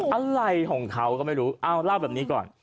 อะไรของเขาก็ไม่รู้เอาเล่าแบบนี้ก่อน